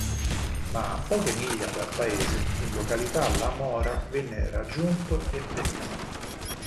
Ma a poche miglia dal paese, in località "la Mora", venne raggiunto e ferito.